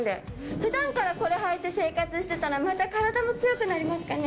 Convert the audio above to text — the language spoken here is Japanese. ふだんからこれ履いて生活してたらまた体も強くなりますかね。